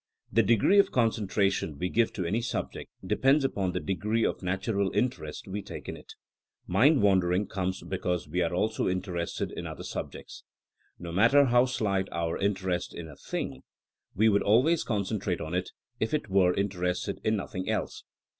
The degree of concentration we give to any sub ject depends upon the degree of natural interest we take in it. Mind wandering comes because we are also interested in other subjects. No matter how slight our interest in a thing, we THINEINO AS A SCIENCE 81 would always concentrate on it if we were in terested in nothing else.